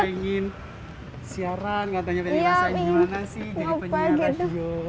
pengen siaran ngatanya ngatanya rasain gimana sih jadi penyiar radio